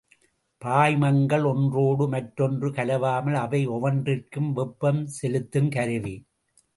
பாய்மங்கள் ஒன்றோடு மற்றொன்று கலவாமல் அவை ஒவ்வொன்றிற்கும் வெப்பம் செலுத்துங் கருவி.